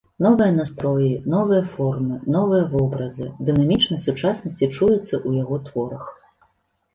Новыя настроі, новыя формы, новыя вобразы, дынамічнасць сучаснасці чуецца ў яго творах.